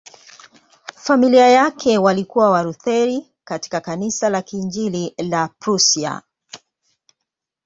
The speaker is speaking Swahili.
Familia yake walikuwa Walutheri katika Kanisa la Kiinjili la Prussia.